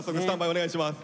お願いします。